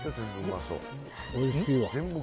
おいしいわ。